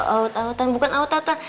out outan bukan out outan